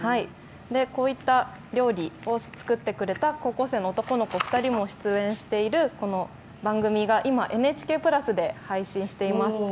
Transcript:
こういった料理を作ってくれた高校生の男の子２人も出演している今「ＮＨＫプラス」で配信しています。